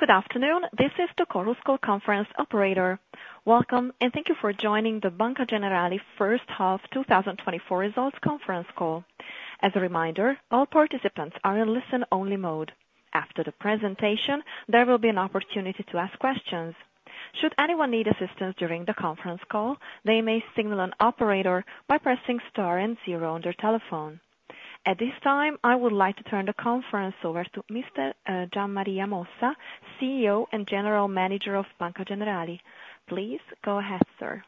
Good afternoon, this is the Chorus Call Conference operator. Welcome, and thank you for joining the Banca Generali first half, 2024 results conference call. As a reminder, all participants are in listen-only mode. After the presentation, there will be an opportunity to ask questions. Should anyone need assistance during the conference call, they may signal an operator by pressing star and zero on their telephone. At this time, I would like to turn the conference over to Mr. Gian Maria Mossa, CEO and General Manager of Banca Generali. Please go ahead, sir.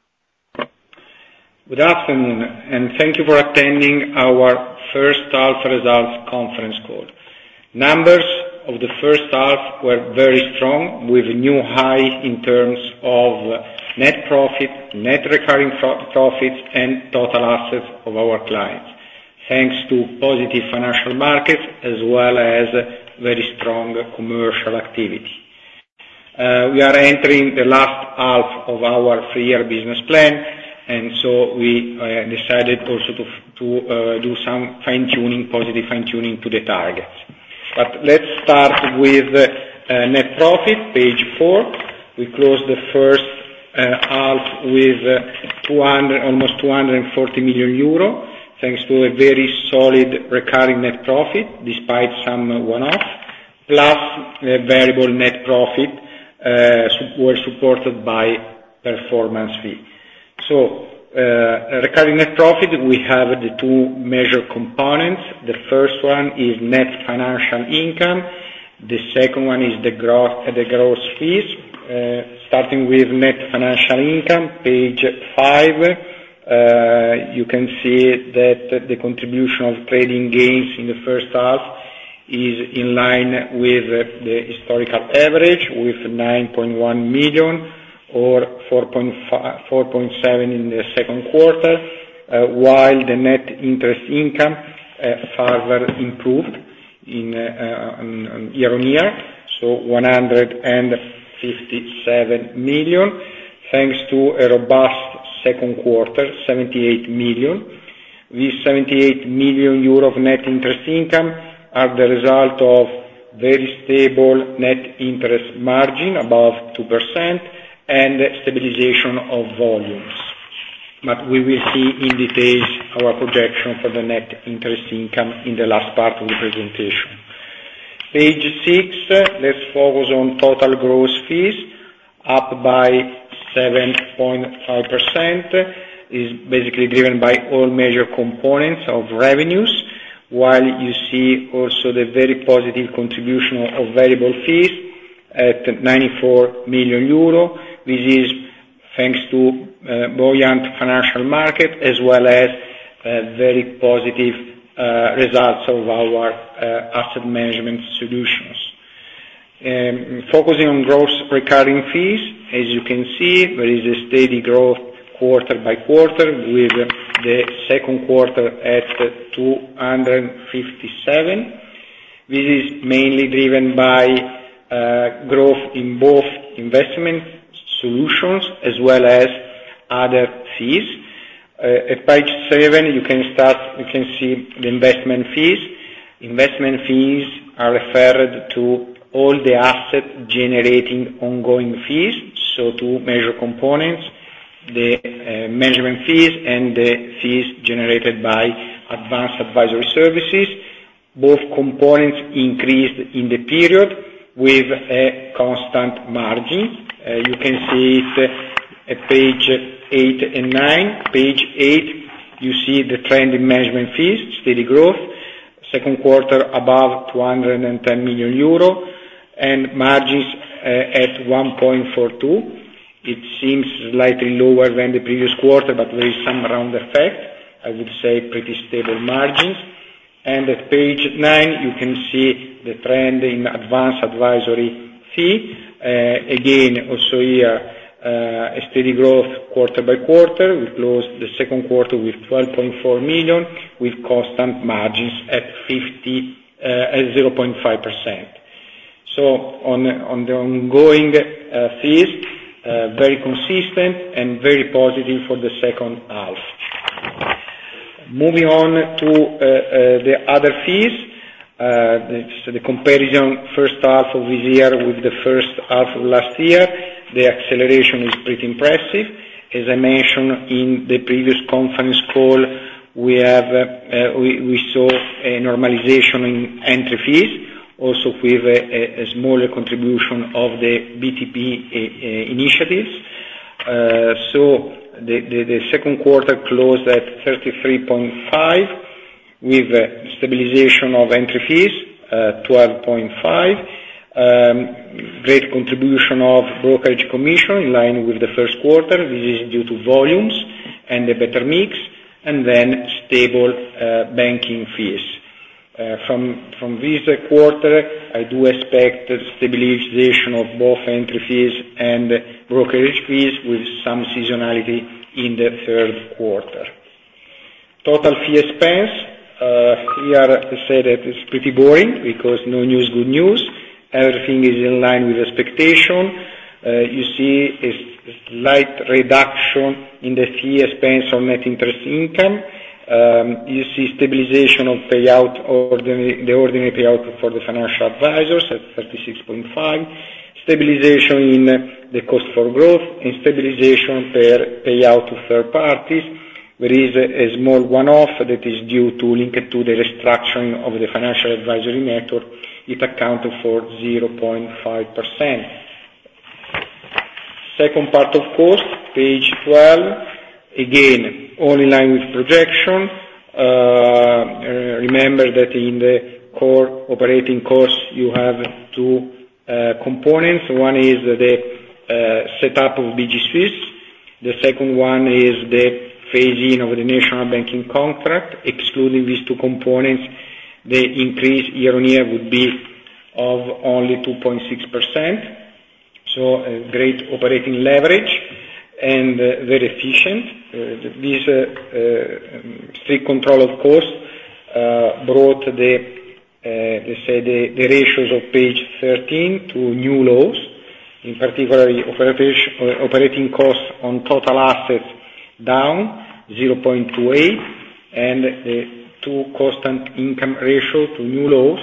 Good afternoon, and thank you for attending our first half results conference call. Numbers of the first half were very strong, with new high in terms of net profit, net recurring profits, and total assets of our clients, thanks to positive financial markets as well as very strong commercial activity. We are entering the last half of our three-year business plan, and so we decided also to do some fine-tuning, positive fine-tuning to the targets. But let's start with net profit, page 4. We closed the first half with almost 240 million euro, thanks to a very solid recurring net profit, despite some one-off. Plus, the variable net profit were supported by performance fee. So, recurring net profit, we have the two major components. The first one is net financial income, the second one is the gross fees. Starting with net financial income, page 5, you can see that the contribution of trading gains in the first half is in line with the historical average, with 9.1 million or 4.7 million in the second quarter, while the net interest income further improved year-on-year, so 157 million, thanks to a robust second quarter, 78 million. This 78 million euro of net interest income are the result of very stable net interest margin, above 2%, and stabilization of volumes. But we will see in detail our projection for the net interest income in the last part of the presentation. Page six, let's focus on total gross fees, up by 7.5%, is basically driven by all major components of revenues, while you see also the very positive contribution of variable fees at 94 million euro. This is thanks to buoyant financial market, as well as very positive results of our asset management solutions. Focusing on gross recurring fees, as you can see, there is a steady growth quarter by quarter, with the second quarter at 257. This is mainly driven by growth in both investment solutions as well as other fees. At page seven, you can see the investment fees. Investment fees are referred to all the assets generating ongoing fees, so two major components: the management fees and the fees generated by advanced advisory services. Both components increased in the period, with a constant margin. You can see it at page 8 and 9. Page 8, you see the trend in management fees, steady growth, second quarter above 210 million euro, and margins at 1.42. It seems slightly lower than the previous quarter, but there is some rounding effect. I would say pretty stable margins. At page 9, you can see the trend in advanced advisory fee. Again, also here, a steady growth quarter by quarter. We closed the second quarter with 12.4 million, with constant margins at 50, at 0.5%. So, on the ongoing fees, very consistent and very positive for the second half. Moving on to the other fees, so the comparison first half of this year with the first half of last year, the acceleration is pretty impressive. As I mentioned in the previous conference call, we saw a normalization in entry fees, also with a smaller contribution of the BTP initiatives. So the second quarter closed at 33.5, with stabilization of entry fees 12.5. Great contribution of brokerage commission, in line with the first quarter. This is due to volumes and a better mix, and then stable banking fees. From this quarter, I do expect stabilization of both entry fees and brokerage fees with some seasonality in the third quarter. Total fee expense, we can say that it's pretty boring because no news, good news. Everything is in line with expectation. You see a slight reduction in the fee expense on net interest income. You see stabilization of payout or the, the ordinary payout for the financial advisors at 36.5. Stabilization in the cost for growth and stabilization per payout to third parties. There is a small one-off that is due to link it to the restructuring of the financial advisory network. It accounted for 0.5%. Second part, of course, page 12, again, all in line with projection. Remember that in the core operating costs, you have two components. One is the setup of BG Swiss. The second one is the phasing of the national banking contract. Excluding these two components, the increase year-on-year would be of only 2.6%. So a great operating leverage and very efficient. This strict control, of course, brought, let's say, the ratios of page thirteen to new lows, in particular, the operating costs on total assets down 0.28, and to cost and income ratio to new lows,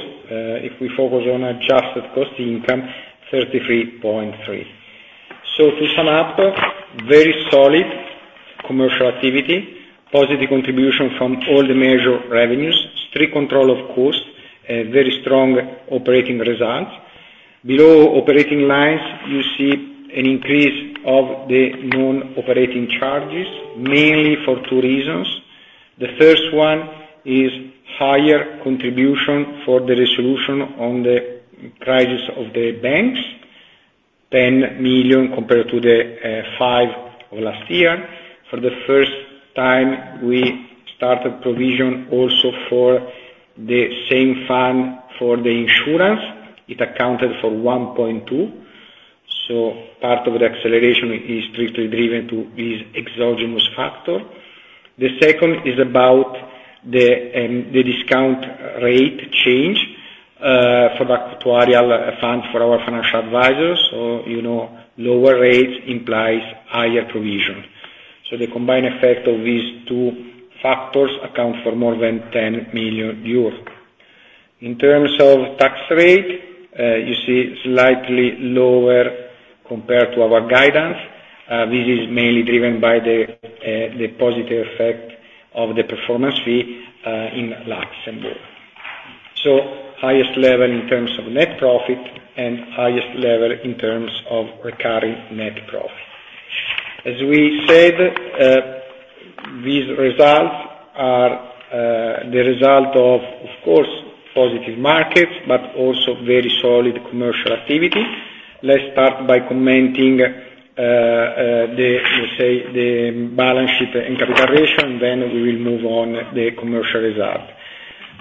if we focus on adjusted cost income, 33.3. So to sum up, very solid commercial activity, positive contribution from all the major revenues, strict control, of course, a very strong operating result. Below operating lines, you see an increase of the non-operating charges, mainly for two reasons. The first one is higher contribution for the resolution on the crisis of the banks, 10 million compared to the 5 million of last year. For the first time, we started provision also for the same fund for the insurance. It accounted for 1.2 million. So part of the acceleration is strictly driven to this exogenous factor. The second is about the discount rate change for the actuarial fund for our financial advisors. So, you know, lower rates implies higher provision. So the combined effect of these two factors account for more than 10 million euros. In terms of tax rate, you see slightly lower compared to our guidance. This is mainly driven by the positive effect of the performance fee in last year. So highest level in terms of net profit and highest level in terms of recurring net profit. As we said, these results are the result of, of course, positive markets, but also very solid commercial activity. Let's start by commenting the, let's say, the balance sheet and capital ratio, and then we will move on the commercial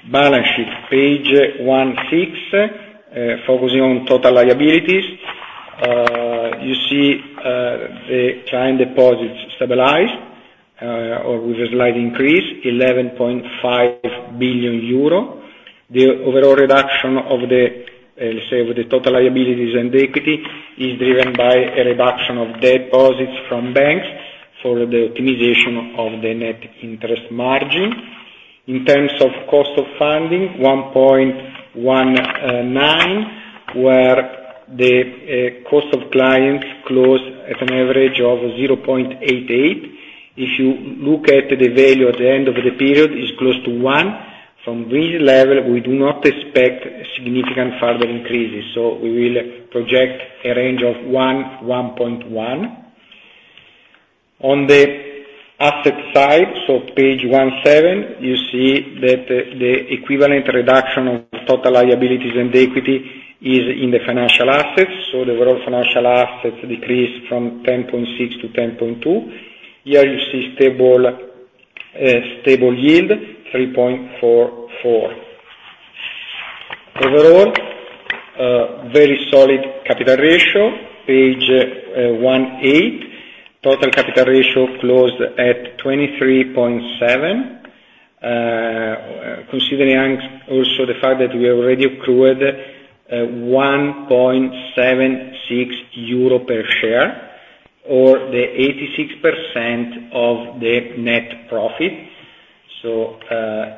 result. Balance sheet, page 16, focusing on total liabilities, you see, the client deposits stabilize, or with a slight increase, 11.5 billion euro. The overall reduction of the, let's say, of the total liabilities and equity is driven by a reduction of deposits from banks for the optimization of the net interest margin. In terms of cost of funding, 1.19, where the, cost of clients closed at an average of 0.88. If you look at the value at the end of the period, it's close to 1. From this level, we do not expect significant further increases, so we will project a range of 1-1.1. On the asset side, so page 17, you see that, the equivalent reduction of total liabilities and equity is in the financial assets, so the whole financial assets decreased from 10.6 to 10.2. Here, you see stable, stable yield, 3.44. Overall, very solid capital ratio, page 18. Total capital ratio closed at 23.7, considering also the fact that we already accrued, 1.76 euro per share, or the 86% of the net profit. So,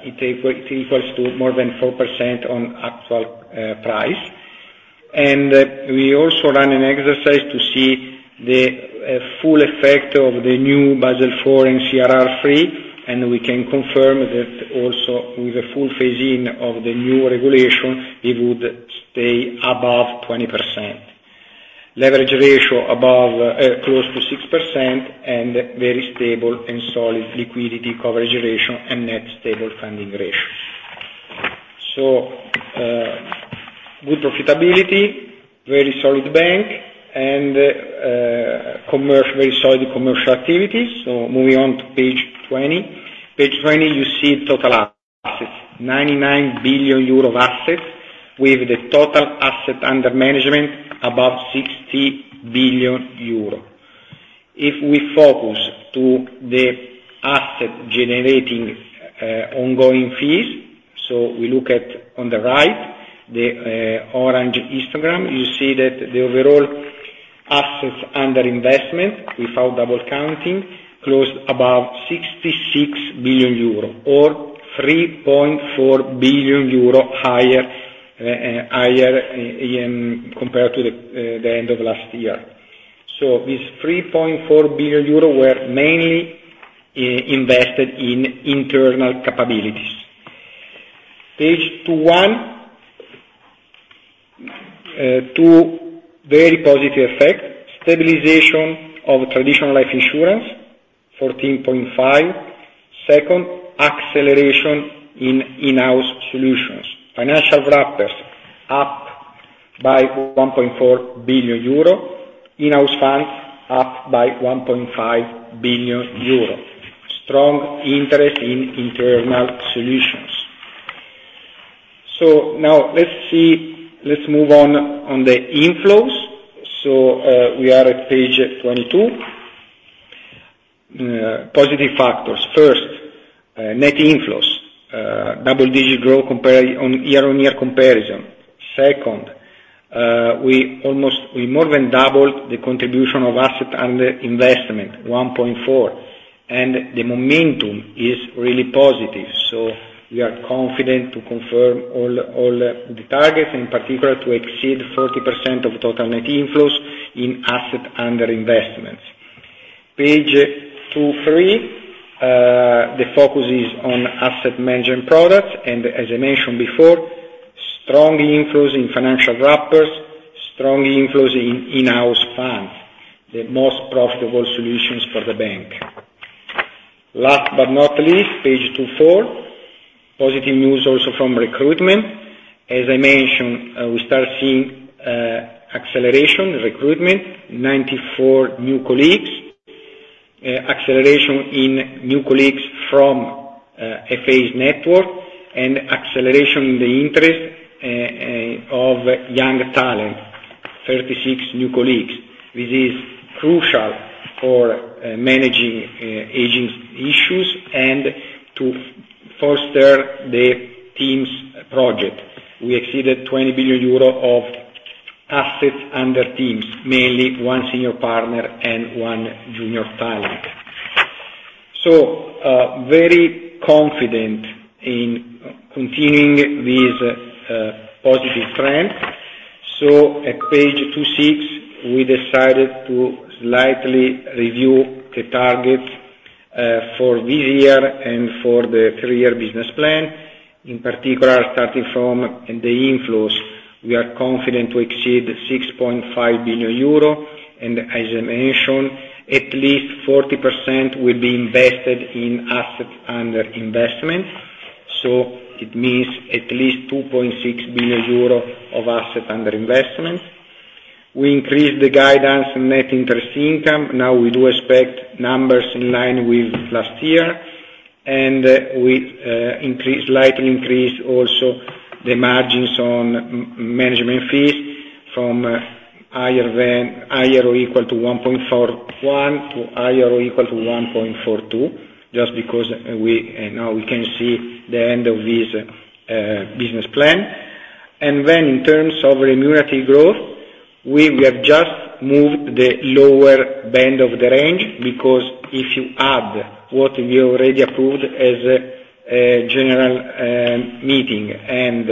it equals, it equals to more than 4% on actual, price. And we also ran an exercise to see the, full effect of the new Basel IV and CRR III, and we can confirm that also with the full phasing of the new regulation, it would stay above 20%. Leverage ratio above close to 6%, and very stable and solid liquidity coverage ratio and net stable funding ratio. So good profitability, very solid bank, and very solid commercial activity. So moving on to page 20. Page 20, you see total assets, 99 billion euro of assets, with the total assets under management above 60 billion euro. If we focus to the asset generating ongoing fees, so we look at on the right, the orange histogram, you see that the overall assets under investment, without double counting, closed above 66 billion euro, or 3.4 billion euro higher compared to the end of last year. So this 3.4 billion euro were mainly invested in internal capabilities. Page 21, two very positive effects: stabilization of traditional life insurance, 14.5; second, acceleration in in-house solutions. Financial wrappers, up by 1.4 billion euro, in-house funds up by 1.5 billion euro. Strong interest in internal solutions. So now let's see, let's move on, on the inflows. So, we are at page 22. Positive factors. First, net inflows, double-digit growth compare on, year-on-year comparison. Second, we almost- we more than doubled the contribution of asset under investment, 1.4, and the momentum is really positive, so we are confident to confirm all, all, the targets, in particular, to exceed 40% of total net inflows in asset under investments. Page 23, the focus is on asset management products, and as I mentioned before, strong inflows in financial wrappers, strong inflows in in-house funds, the most profitable solutions for the bank. Last but not least, page 24, positive news also from recruitment. As I mentioned, we start seeing acceleration in recruitment, 94 new colleagues. Acceleration in new colleagues from FA's network, and acceleration in the interest of young talent, 36 new colleagues. This is crucial for managing aging issues, and to foster the teams' project. We exceeded 20 billion euro of assets under teams, mainly one senior partner and one junior talent. So, very confident in continuing this positive trend. So at page 26, we decided to slightly review the targets for this year and for the three-year business plan. In particular, starting from the inflows, we are confident to exceed 6.5 billion euro, and as I mentioned, at least 40% will be invested in assets under investment. So it means at least 2.6 billion euro of asset under investment. We increased the guidance on net interest income. Now, we do expect numbers in line with last year, and we increase, slightly increase also the margins on management fees from higher than, higher or equal to 1.41, to higher or equal to 1.42, just because we now we can see the end of this business plan. Then in terms of remunerative growth, we have just moved the lower band of the range, because if you add what we already approved as a general meeting, and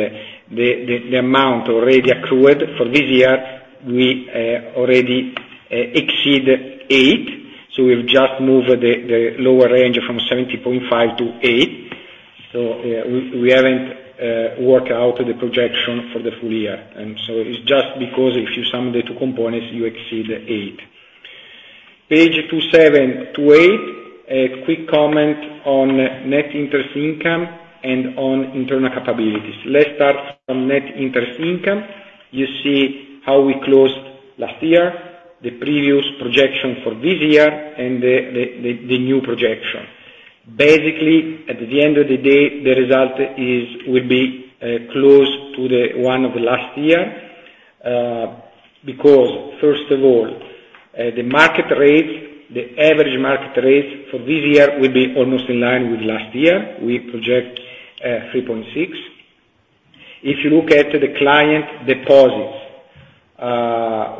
the amount already accrued for this year, we already exceed 8. So we've just moved the lower range from 70.5 to 8. So, we haven't worked out the projection for the full year, and so it's just because if you sum the two components, you exceed 8. Page 27 to 28, a quick comment on net interest income and on internal capabilities. Let's start on net interest income. You see how we closed last year, the previous projection for this year, and the new projection. Basically, at the end of the day, the result is, will be, close to the one of last year, because first of all, the market rate, the average market rate for this year will be almost in line with last year. We project 3.6. If you look at the client deposits,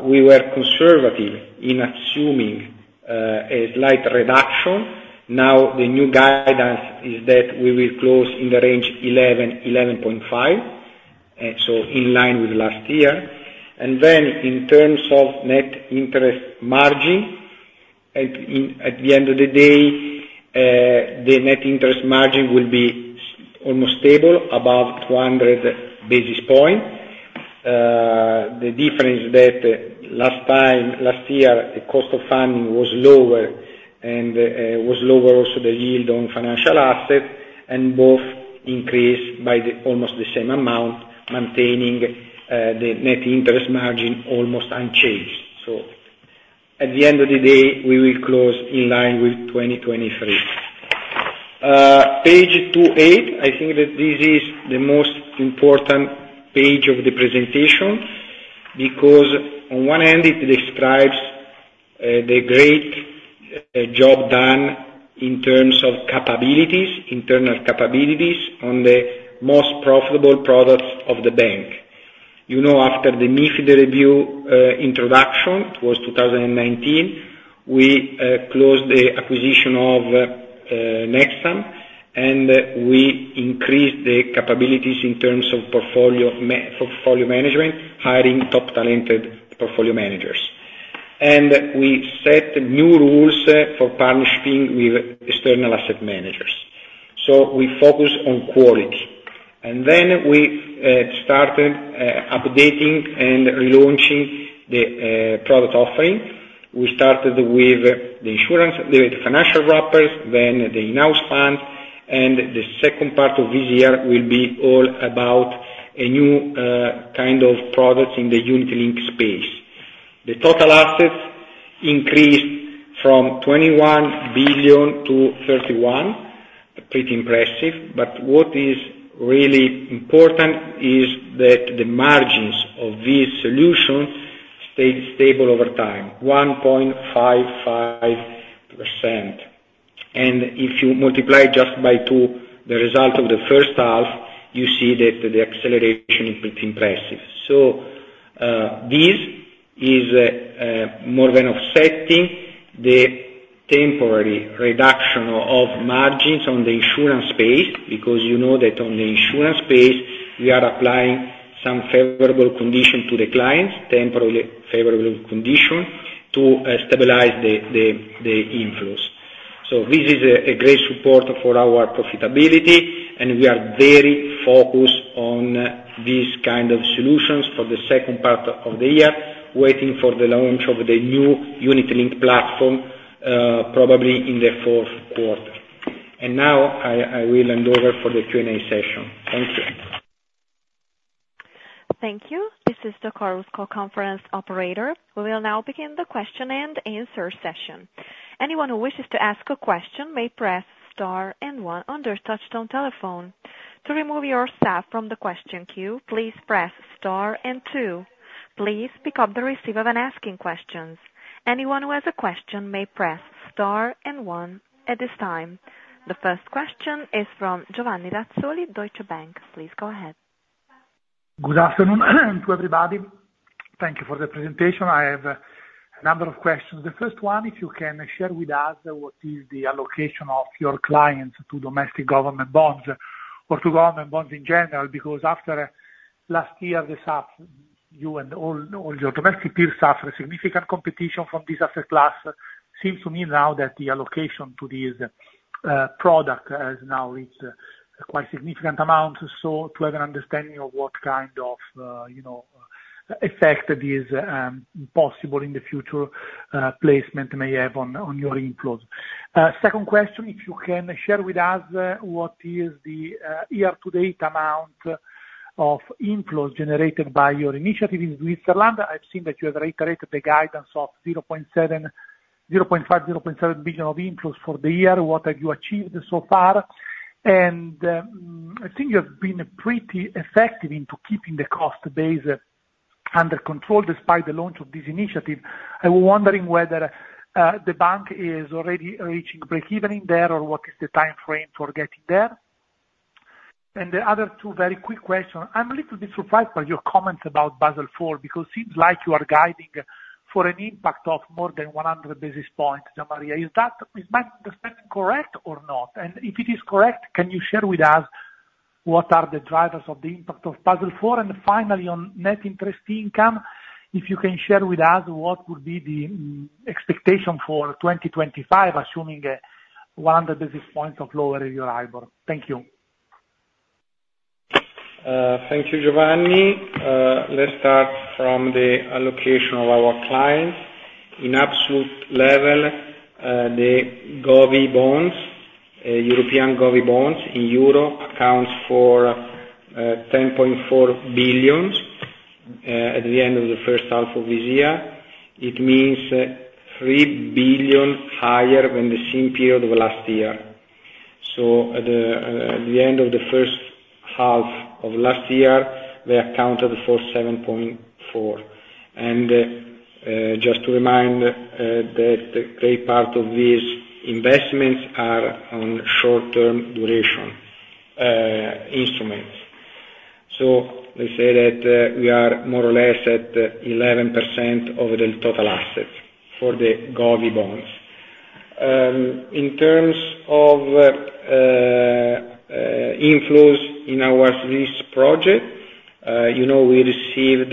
we were conservative in assuming a slight reduction. Now, the new guidance is that we will close in the range 11-11.5, so in line with last year. And then in terms of net interest margin, at the end of the day, the net interest margin will be almost stable, about 200 basis points. The difference that last time, last year, the cost of funding was lower, and was lower also the yield on financial assets, and both increased by the almost the same amount, maintaining the net interest margin almost unchanged. So at the end of the day, we will close in line with 2023. Page 28, I think that this is the most important page of the presentation, because on one end, it describes the great job done in terms of capabilities, internal capabilities on the most profitable products of the bank. You know, after the MiFID review introduction, it was 2019, we closed the acquisition of Nextam, and we increased the capabilities in terms of portfolio management, hiring top talented portfolio managers. And we set new rules for partnering with external asset managers. So we focus on quality. Then we started updating and relaunching the product offering. We started with the insurance, the financial wrappers, then the now span, and the second part of this year will be all about a new kind of products in the unitinked space. The total assets increased from 21 billion to 31 billion. Pretty impressive, but what is really important is that the margins of this solution stayed stable over time, 1.55%. If you multiply just by two, the result of the first half, you see that the acceleration is pretty impressive. So this is more than offsetting the temporary reduction of margins on the insurance space, because you know that on the insurance space, we are applying some favorable condition to the clients, temporarily favorable condition, to stabilize the inflows. So this is a great support for our profitability, and we are very focused on these kind of solutions for the second part of the year, waiting for the launch of the new unit link platform, probably in the fourth quarter. And now, I will hand over for the Q&A session. Thank you. Thank you. This is the conference operator. We will now begin the question and answer session. Anyone who wishes to ask a question may press star and one on their touchtone telephone. To remove yourself from the question queue, please press star and two. Please pick up the receiver when asking questions. Anyone who has a question may press star and one at this time. The first question is from Giovanni Razzoli, Deutsche Bank. Please go ahead. Good afternoon to everybody. Thank you for the presentation. I have a number of questions. The first one, if you can share with us what is the allocation of your clients to domestic government bonds or to government bonds in general, because after last year, you and all your domestic peers suffer significant competition from this asset class. Seems to me now that the allocation to this product has now reached a quite significant amount. So to have an understanding of what kind of, you know, effect that is possible in the future, placement may have on your inflows. Second question, if you can share with us what is the year-to-date amount of inflows generated by your initiative in Switzerland. I've seen that you have reiterated the guidance of 0.7, 0.5, 0.7 billion of inflows for the year. What have you achieved so far? And I think you have been pretty effective in keeping the cost base under control despite the launch of this initiative. I was wondering whether the bank is already reaching breakeven in there, or what is the timeframe for getting there? And the other two very quick questions. I'm a little bit surprised by your comments about Basel IV, because seems like you are guiding for an impact of more than 100 basis points, Gian Maria. Is that, is my understanding correct or not? And if it is correct, can you share with us what are the drivers of the impact of Basel IV? Finally, on net interest income, if you can share with us what would be the expectation for 2025, assuming 100 basis points of lower in your Euribor? Thank you. Thank you, Giovanni. Let's start from the allocation of our clients. In absolute level, the Govvies, European Govvies in euro, accounts for 10.4 billion at the end of the first half of this year. It means 3 billion higher than the same period of last year. So at the end of the first half of last year, they accounted for 7.4 billion. Just to remind that a great part of these investments are on short-term duration instruments. So let's say that we are more or less at 11% of the total assets for the Govvies. In terms of inflows in our risk project, you know, we received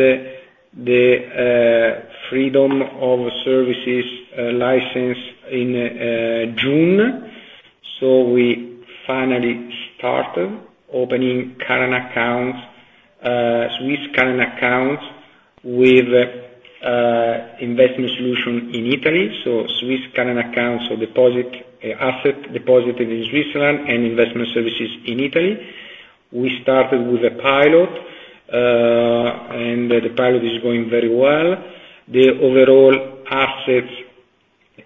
the freedom of services license in June. So we finally started opening current accounts, Swiss current accounts with investment solution in Italy. So Swiss current accounts or deposit, asset deposited in Switzerland and investment services in Italy. We started with a pilot, and the pilot is going very well. The overall assets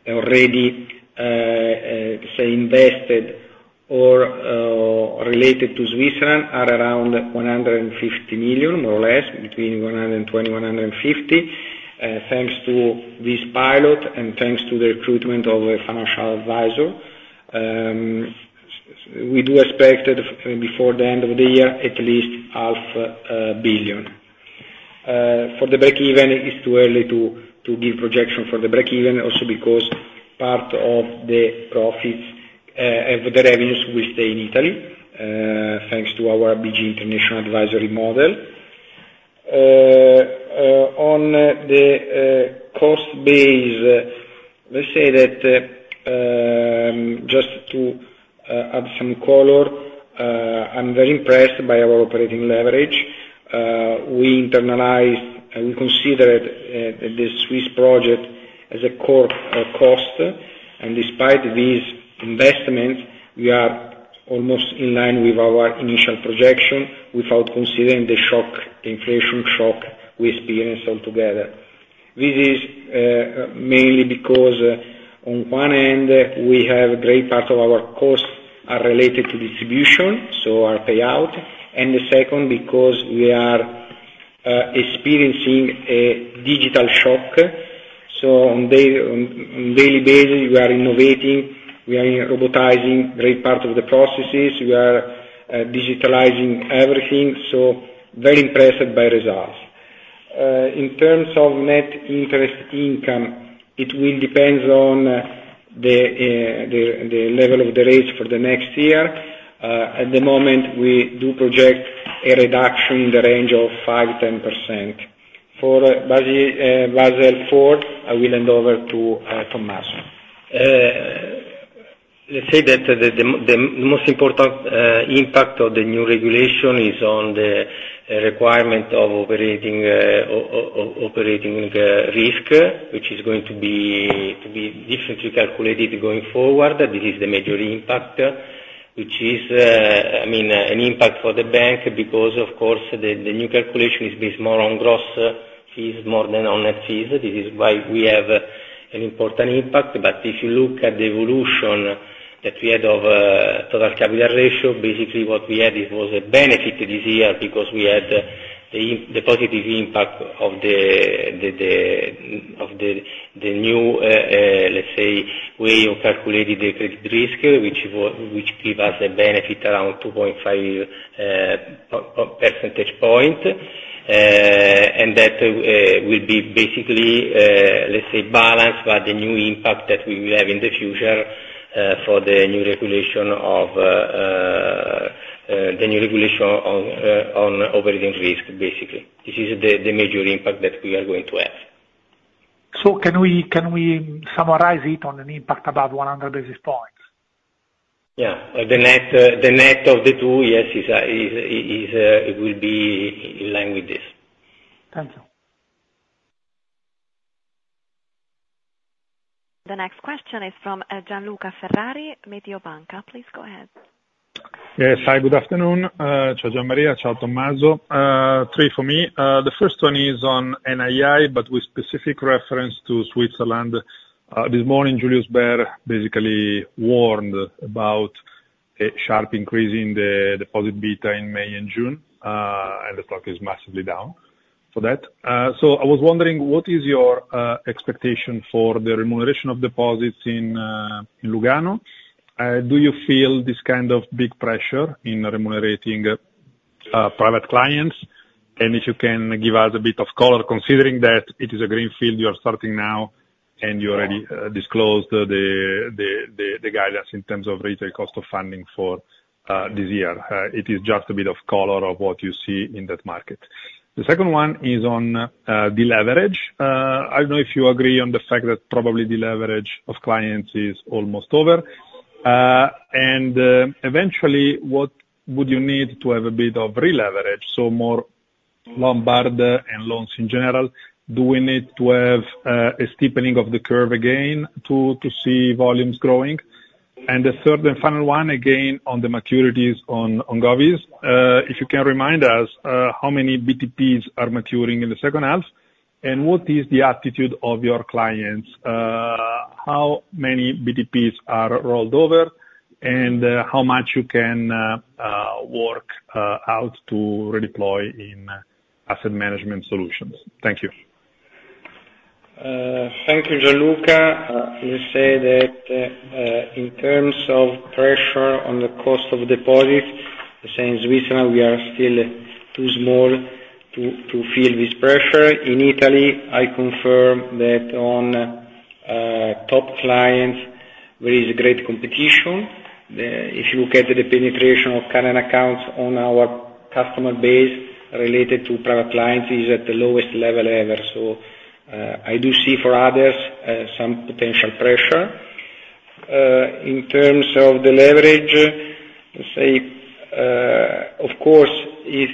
already, say, invested or related to Switzerland, are around 150 million, more or less, between 120 million and 150 million, thanks to this pilot and thanks to the recruitment of a financial advisor. We do expect that before the end of the year, at least 500 million. For the breakeven, it is too early to give projection for the breakeven, also because part of the profits of the revenues will stay in Italy, thanks to our BG International Advisory model. On the cost base, let's say that, just to add some color, I'm very impressed by our operating leverage. We internalize and we consider it the Swiss project as a core cost. And despite these investments, we are almost in line with our initial projection, without considering the shock, inflation shock we experienced altogether. This is mainly because, on one end, we have a great part of our costs are related to distribution, so our payout. And the second, because we are experiencing a digital shock. So on a daily basis, we are innovating, we are robotizing great part of the processes. We are digitalizing everything, so very impressed by results. In terms of net interest income, it will depends on the level of the rates for the next year. At the moment, we do project a reduction in the range of 5%-10%. For Basel IV, I will hand over to Tommaso. Let's say that the most important impact of the new regulation is on the requirement of operating risk, which is going to be differently calculated going forward. This is the major impact, I mean, an impact for the bank, because, of course, the new calculation is based more on gross fees, more than on net fees. This is why we have an important impact. But if you look at the evolution that we had of total capital ratio, basically what we had it was a benefit this year, because we had the positive impact of the new way of calculating the credit risk, which give us a benefit around 2.5 percentage point. And that will be basically, let's say, balanced by the new impact that we will have in the future for the new regulation on operating risk, basically. This is the major impact that we are going to have. Can we summarize it on an impact above 100 basis points? Yeah. The net of the two, yes, is it will be in line with this. Thank you. The next question is from Gian Luca Ferrari, Mediobanca. Please go ahead. Yes, hi, good afternoon. Ciao, Gian Maria, Ciao, Tommaso. Three for me. The first one is on NII, but with specific reference to Switzerland. This morning, Julius Baer basically warned about a sharp increase in the deposit beta in May and June, and the stock is massively down for that. So I was wondering, what is your expectation for the remuneration of deposits in Lugano? Do you feel this kind of big pressure in remunerating private clients? And if you can give us a bit of color, considering that it is a greenfield you are starting now, and you already disclosed the guidance in terms of retail cost of funding for this year. It is just a bit of color of what you see in that market. The second one is on deleverage. I don't know if you agree on the fact that probably deleverage of clients is almost over. And eventually, what would you need to have a bit of re-leverage, so more Lombard loans in general? Do we need to have a steepening of the curve again to see volumes growing? And the third and final one, again, on the maturities on govies. If you can remind us, how many BTPs are maturing in the second half, and what is the attitude of your clients? How many BTPs are rolled over, and how much you can work out to redeploy in asset management solutions? Thank you. Thank you, Gian Luca. Let's say that in terms of pressure on the cost of deposits, the same Switzerland, we are still too small to feel this pressure. In Italy, I confirm that on top clients, there is a great competition. If you look at the penetration of current accounts on our customer base related to private clients, is at the lowest level ever. So, I do see for others some potential pressure. In terms of the leverage, let's say, of course, if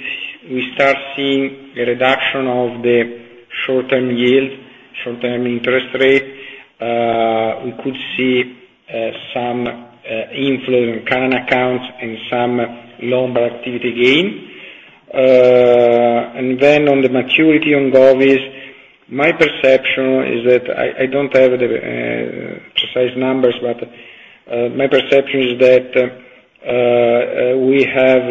we start seeing a reduction of the short-term yield, short-term interest rate, we could see some inflow in current accounts and some loan activity gain. And then on the maturity on Govies, my perception is that I don't have the precise numbers, but my perception is that we have,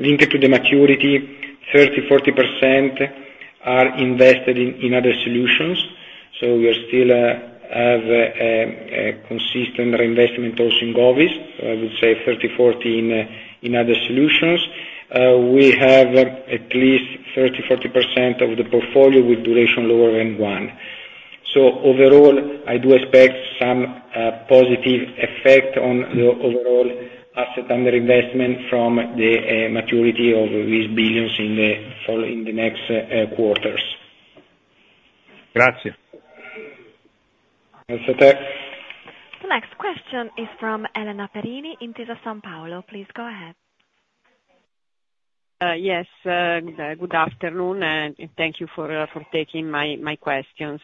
linked to the maturity, 30%-40% are invested in other solutions. So we still have a consistent reinvestment also in Govies. I would say 30%-40% in other solutions. We have at least 30%-40% of the portfolio with duration lower than one. So overall, I do expect some positive effect on the overall asset under investment from the maturity of these billions in the next quarters. Grazie. The next question is from Elena Perini, Intesa Sanpaolo, please go ahead. Yes, good afternoon, and thank you for taking my questions.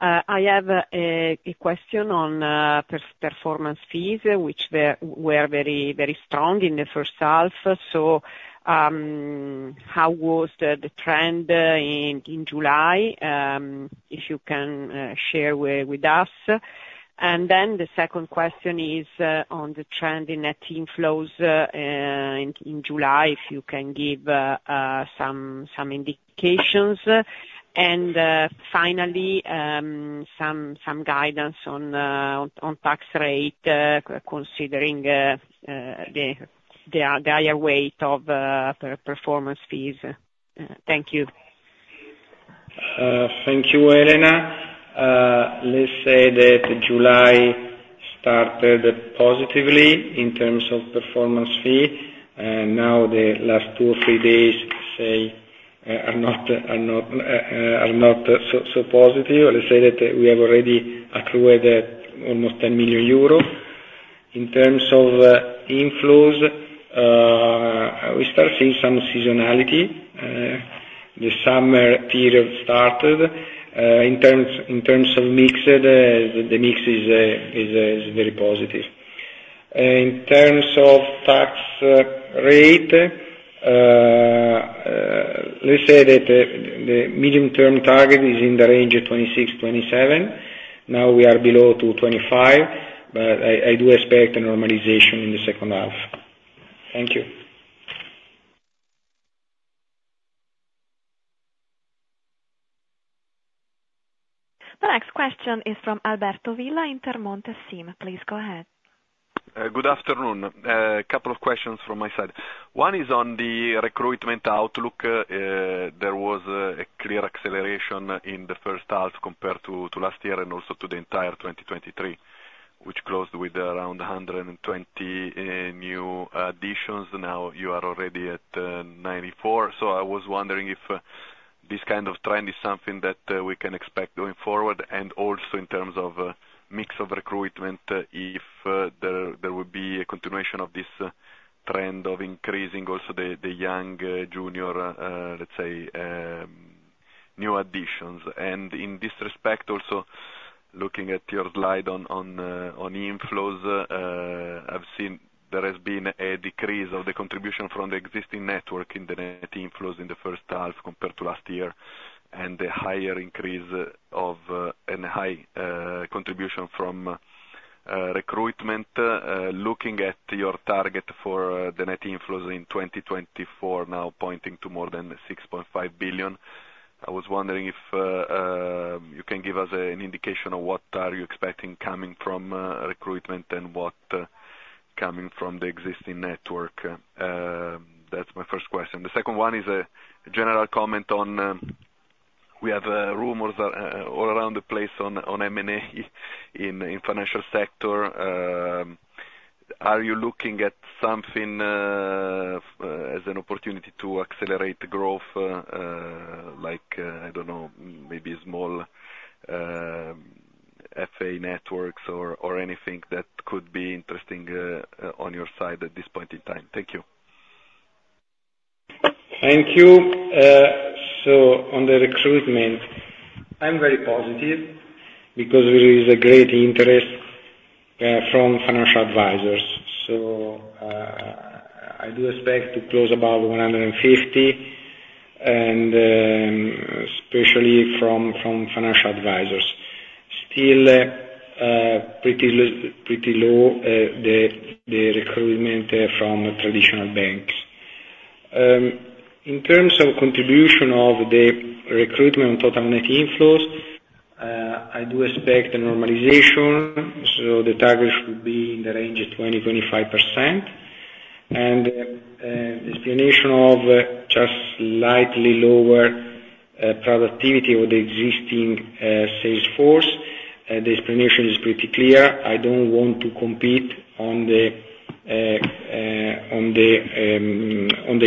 I have a question on performance fees, which were very, very strong in the first half. So, how was the trend in July? If you can share with us. And then the second question is on the trend in net inflows in July, if you can give some indications. And finally, some guidance on tax rate, considering the higher weight of performance fees. Thank you. Thank you, Elena. Let's say that July started positively in terms of performance fee, and now the last two or three days are not so positive. Let's say that we have already accrued almost 10 million euros. In terms of inflows, we start seeing some seasonality. The summer period started in terms of mix, the mix is very positive. In terms of tax rate, let's say that the medium-term target is in the range of 26-27. Now, we are below to 25, but I do expect a normalization in the second half. Thank you. The next question is from Alberto Villa, Intermonte SIM. Please go ahead. Good afternoon. A couple of questions from my side. One is on the recruitment outlook. There was a clear acceleration in the first half compared to last year and also to the entire 2023, which closed with around 120 new additions. Now you are already at 94. So I was wondering if this kind of trend is something that we can expect going forward, and also in terms of mix of recruitment, if there will be a continuation of this trend of increasing also the young junior new additions. In this respect, also, looking at your slide on inflows, I've seen there has been a decrease of the contribution from the existing network in the net inflows in the first half compared to last year, and a higher contribution from recruitment. Looking at your target for the net inflows in 2024, now pointing to more than 6.5 billion, I was wondering if you can give us an indication of what are you expecting coming from recruitment and what coming from the existing network? That's my first question. The second one is a general comment on, we have rumors all around the place on M&A in financial sector. Are you looking at something as an opportunity to accelerate the growth? Like, I don't know, maybe small FA networks or anything that could be interesting on your side at this point in time. Thank you. Thank you. So on the recruitment, I'm very positive, because there is a great interest from financial advisors. So, I do expect to close about 150, and especially from financial advisors. Still, pretty low, the recruitment from traditional banks. In terms of contribution of the recruitment, total net inflows, I do expect a normalization, so the target should be in the range of 20-25%. Explanation of just slightly lower productivity of the existing sales force, the explanation is pretty clear: I don't want to compete on the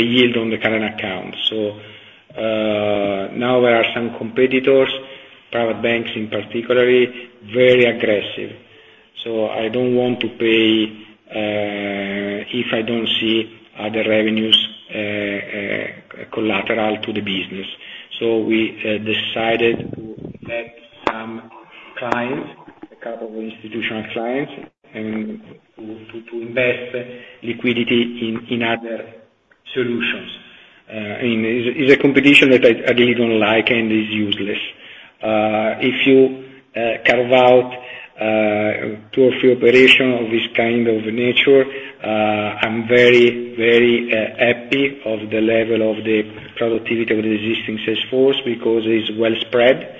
yield on the current account. So, now there are some competitors, private banks in particular, very aggressive. So I don't want to pay if I don't see other revenues... Collateral to the business. So we decided to let some clients, a couple of institutional clients, and to invest liquidity in other solutions. And is a competition that I really don't like and is useless. If you carve out two or three operations of this kind of nature, I'm very happy of the level of the productivity of the existing sales force, because it is well spread,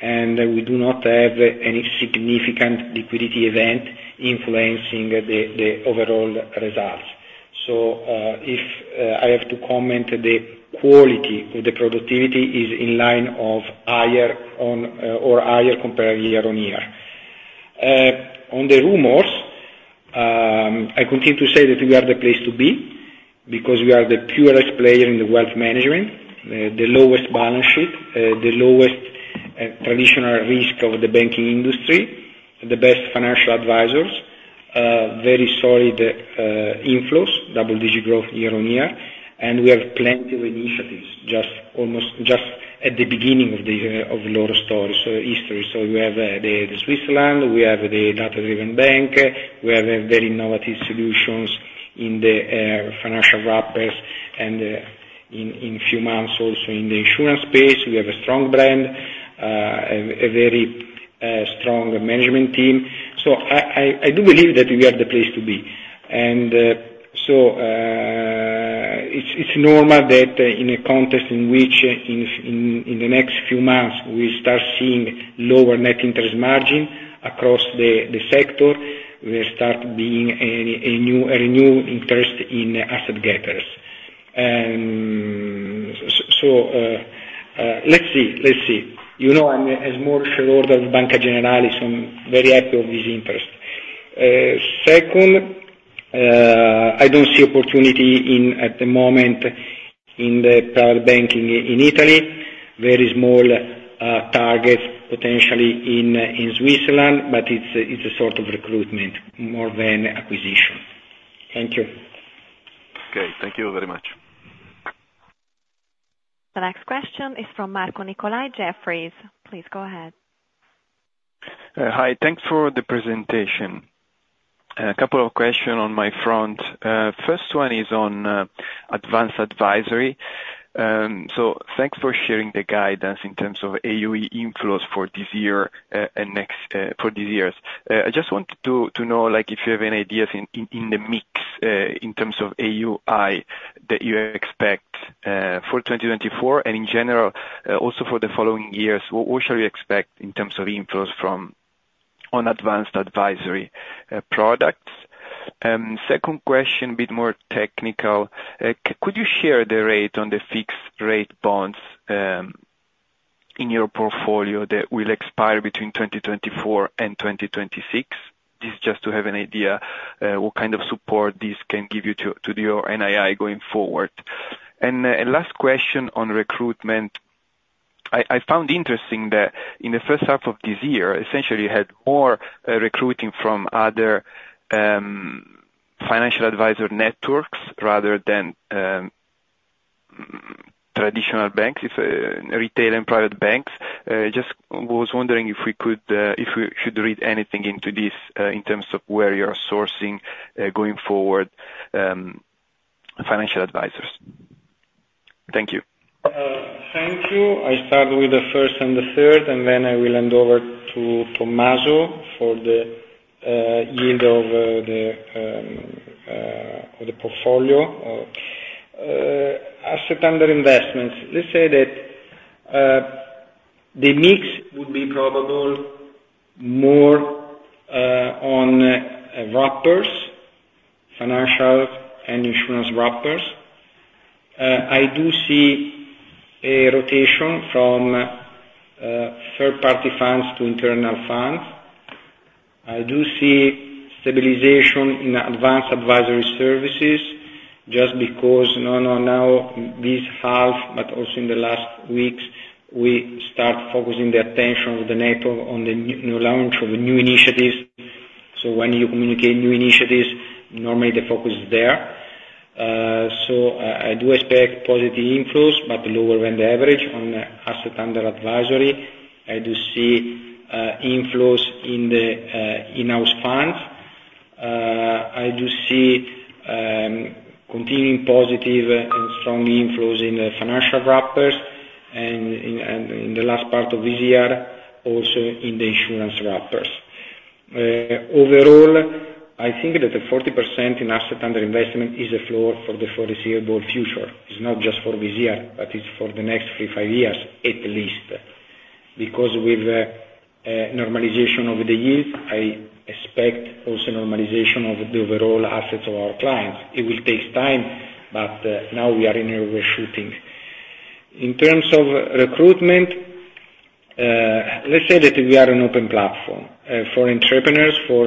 and we do not have any significant liquidity event influencing the overall results. So, if I have to comment, the quality of the productivity is in line or higher on, or higher compared year-on-year. On the rumors, I continue to say that we are the place to be, because we are the purest player in the wealth management, the lowest balance sheet, the lowest traditional risk of the banking industry, the best financial advisors, very solid inflows, double-digit growth year-on-year, and we have plenty of initiatives, just almost, just at the beginning of the long story, so history. So we have the Switzerland, we have the data-driven bank, we have a very innovative solutions in the financial wrappers, and in few months also in the insurance space. We have a strong brand, a very strong management team. So I do believe that we are the place to be. So, it's normal that in a context in which in the next few months we start seeing lower net interest margin across the sector, will start being a new interest in asset gatherers. So, let's see. You know, I'm a small shareholder of Banca Generali, so I'm very happy of this interest. Second, I don't see opportunity at the moment in the private banking in Italy. Very small targets, potentially in Switzerland, but it's a sort of recruitment more than acquisition. Thank you. Okay. Thank you very much. The next question is from Marco Nicolai, Jefferies. Please go ahead. Hi, thanks for the presentation. A couple of questions on my front. First one is on advanced advisory. So thanks for sharing the guidance in terms of AUI inflows for this year, and next, for these years. I just wanted to know, like, if you have any ideas in the mix, in terms of AUI, that you expect for 2024, and in general, also for the following years, what shall we expect in terms of inflows from advanced advisory products? Second question, a bit more technical. Could you share the rate on the fixed rate bonds in your portfolio that will expire between 2024 and 2026? This is just to have an idea, what kind of support this can give to your NII going forward. And last question on recruitment. I found interesting that in the first half of this year, essentially, you had more recruiting from other financial advisor networks, rather than traditional banks, i.e., retail and private banks. Just was wondering if we should read anything into this, in terms of where you're sourcing going forward, financial advisors. Thank you. Thank you. I start with the first and the third, and then I will hand over to Tommaso for the yield of the portfolio. Assets under investment. Let's say that the mix would be probably more on wrappers, financial and insurance wrappers. I do see a rotation from third-party funds to in-house funds. I do see stabilization in advanced advisory services, just because now this half, but also in the last weeks, we start focusing the attention of the network on the new launch of new initiatives. So when you communicate new initiatives, normally the focus is there. So I do expect positive inflows, but lower than the average on assets under advisory. I do see inflows in the in-house funds. I do see continuing positive and strong inflows in the financial wrappers and in the last part of this year, also in the insurance wrappers. Overall, I think that the 40% in assets under investment is a floor for the foreseeable future. It's not just for this year, but it's for the next three, five years, at least. Because with normalization of the yield, I expect also normalization of the overall assets of our clients. It will take time, but now we are in overshooting. In terms of recruitment, let's say that we are an open platform. For entrepreneurs, for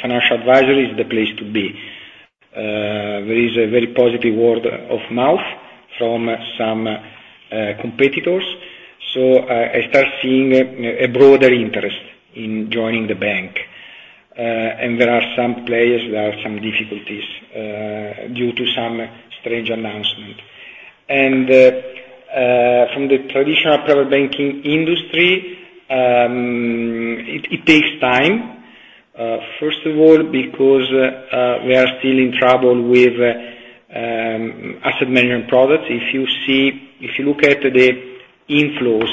financial advisory, is the place to be. There is a very positive word of mouth from some competitors, so I start seeing a broader interest in joining the bank. There are some players who have some difficulties due to some strange announcement. From the traditional private banking industry, it takes time. First of all, because we are still in trouble with asset management products. If you look at the inflows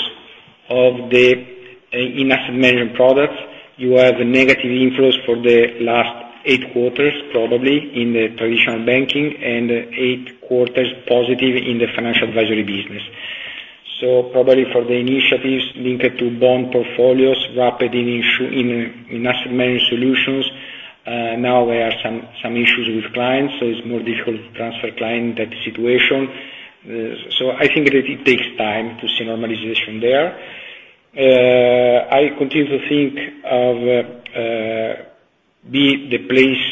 in asset management products, you have negative inflows for the last 8 quarters, probably, in the traditional banking, and 8 quarters positive in the financial advisory business. So probably for the initiatives linked to bond portfolios, rapid in issue, in asset management solutions, now there are some issues with clients, so it's more difficult to transfer client that situation. So I think that it takes time to see normalization there. I continue to think of be the place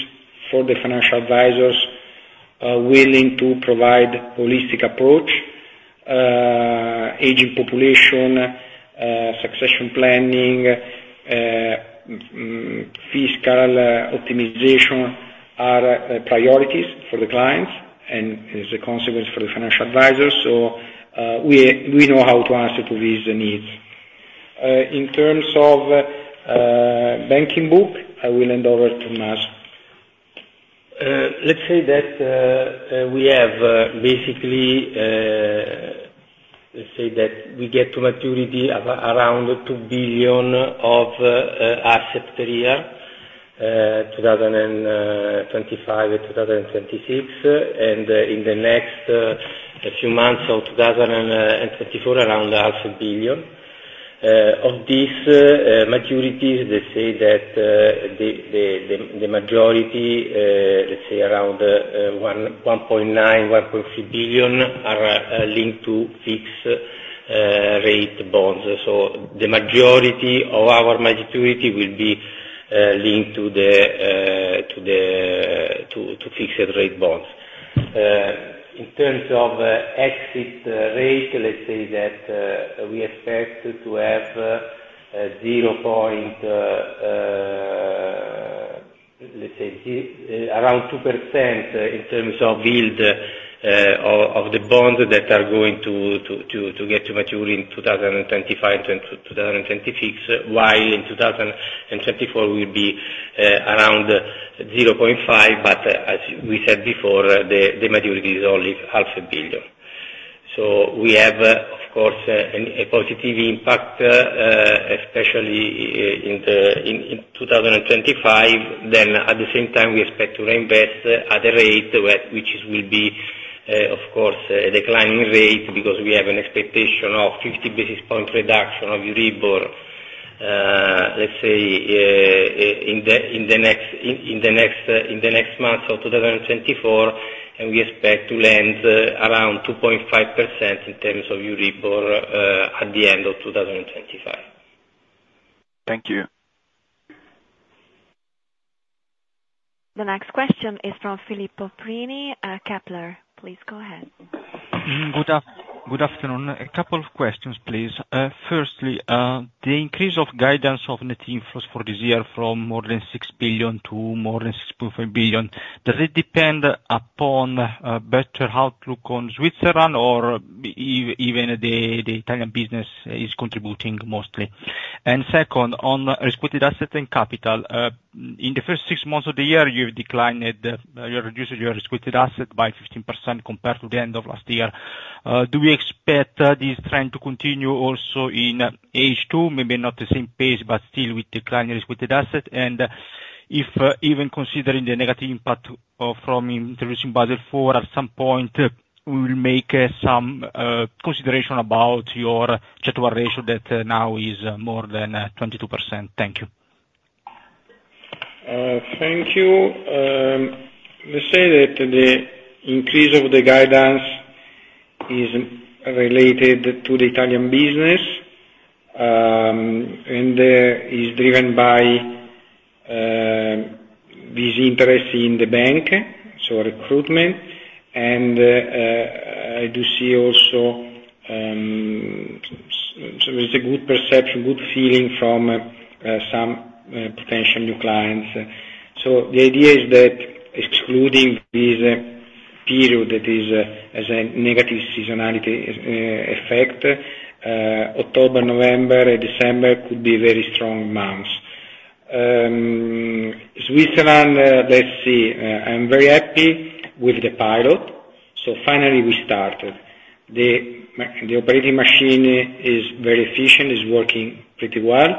for the financial advisors willing to provide holistic approach. Aging population, succession planning, fiscal optimization are priorities for the clients, and as a consequence for the financial advisors, so we, we know how to answer to these needs. In terms of banking book, I will hand over to Mass. Let's say that we have basically let's say that we get to maturity of around 2 billion of asset per year, 2025 to 2026. And in the next few months of 2024, around 0.5 billion. Of these maturities, let's say that the majority let's say around 1.9, 1.3 billion are linked to fixed rate bonds. So the majority of our maturity will be linked to the fixed rate bonds. In terms of exit rate, let's say that we expect to have around 2% in terms of yield of the bonds that are going to get to maturity in 2025-2026, while in 2024 will be around 0.5%. But as we said before, the maturity is only 0.5 billion. So we have, of course, a positive impact, especially in 2025. Then at the same time, we expect to reinvest at a rate at which will be, of course, a declining rate, because we have an expectation of 50 basis points reduction of Euribor. Let's say, in the next months of 2024, and we expect to lend around 2.5% in terms of Euribor, at the end of 2025. Thank you. The next question is from Filippo Prini, Kepler. Please go ahead. Good afternoon. A couple of questions, please. Firstly, the increase of guidance of net inflows for this year from more than 6 billion to more than 6.5 billion, does it depend upon a better outlook on Switzerland or even the, the Italian business is contributing mostly? And second, on risk-weighted asset and capital. In the first six months of the year, you've declined it, you reduced your risk-weighted asset by 15% compared to the end of last year. Do we expect this trend to continue also in H2? Maybe not the same pace, but still with declining risk-weighted asset. And if even considering the negative impact from introducing Basel IV, at some point, we will make some consideration about your ratio that now is more than 22%. Thank you. Thank you. Let's say that the increase of the guidance is related to the Italian business, and is driven by this interest in the bank, so recruitment. And I do see also, so it's a good perception, good feeling from some potential new clients. So the idea is that excluding this period, that is, as a negative seasonality effect, October, November, and December could be very strong months. Switzerland, let's see. I'm very happy with the pilot, so finally we started. The operating machine is very efficient, is working pretty well.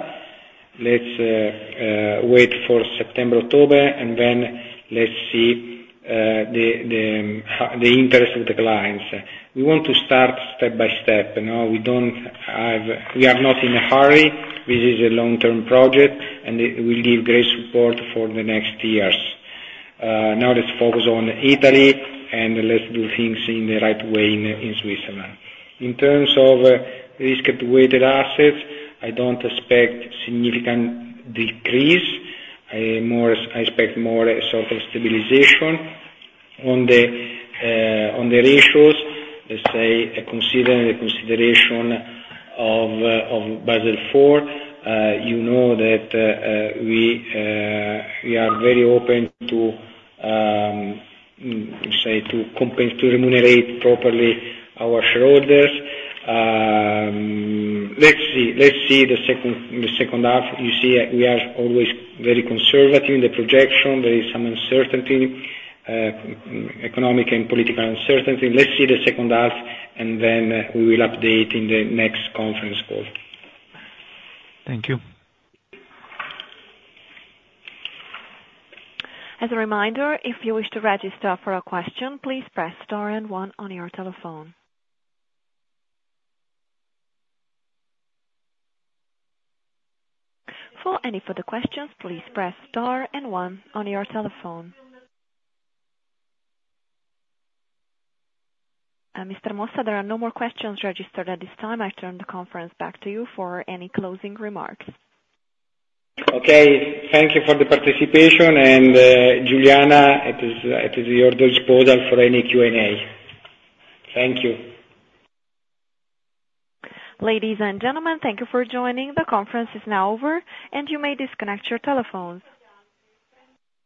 Let's wait for September, October, and then let's see the interest of the clients. We want to start step by step, you know, we don't have... We are not in a hurry. This is a long-term project, and it will give great support for the next years. Now let's focus on Italy, and let's do things in the right way in Switzerland. In terms of risk-weighted assets, I don't expect significant decrease. I more, I expect more so for stabilization. On the ratios, let's say considering the consideration of Basel IV, you know that we are very open to say to compare to remunerate properly our shareholders. Let's see the second half. You see, we are always very conservative in the projection. There is some uncertainty, economic and political uncertainty. Let's see the second half, and then we will update in the next conference call. Thank you. As a reminder, if you wish to register for a question, please press star and one on your telephone. For any further questions, please press star and one on your telephone. Mr. Mossa, there are no more questions registered at this time. I turn the conference back to you for any closing remarks. Okay. Thank you for the participation, and, Fl Giuliana, it is at your disposal for any Q&A. Thank you. Ladies and gentlemen, thank you for joining. The conference is now over, and you may disconnect your telephones.